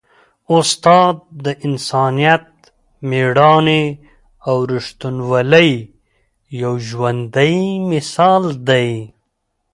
استاد د انسانیت، مېړانې او ریښتینولۍ یو ژوندی مثال دی.